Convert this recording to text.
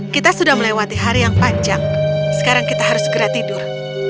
kita sudah melewati hari yang panjang sekarang kita harus segera tidur